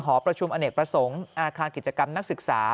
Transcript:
หอประชุมอเนกประสงค์อาคารกิจกรรมนักศึกษา